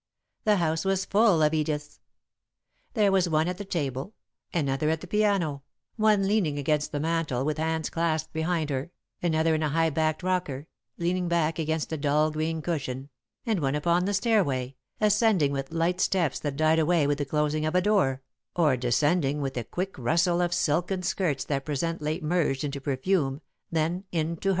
The house was full of Ediths. There was one at the table, another at the piano, one leaning against the mantel with hands clasped behind her, another in a high backed rocker, leaning back against a dull green cushion, and one upon the stairway, ascending with light steps that died away with the closing of a door, or descending with a quick rustle of silken skirts that presently merged into perfume, then into her.